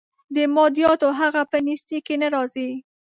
د مادیاتو هغه په نیستۍ کې نه راځي.